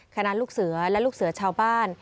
ลูกเสือและลูกเสือชาวบ้าน